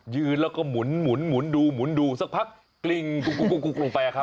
ยืนแล้วก็หมุนดูสักพักกลิ่งกลุ่งลงไปครับ